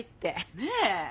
ねえ。